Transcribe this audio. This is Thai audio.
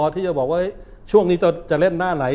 ที่จะบอกว่าช่วงนี้จะเล่นหน้าไหน